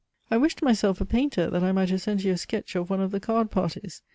I wished myself a painter, that I might have sent you a sketch of one of the card parties.